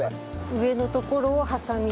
上のところをハサミで。